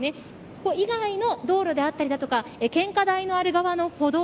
ここ以外の道路であったりだとか献花台のある側の歩道